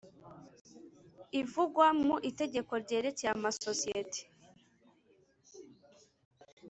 ivugwa mu Itegeko ryerekeye amasosiyete